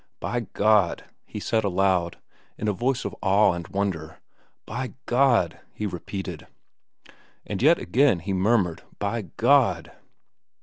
"By God!" he said aloud, in a voice of awe and wonder. "By God!" he repeated. And yet again he murmured, "By God!"